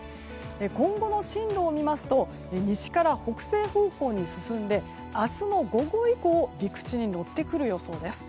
今後の進路を見ますと西から北西方向に進んで明日の午後以降陸地に乗ってくる予想です。